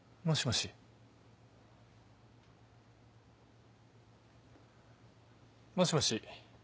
もしもし？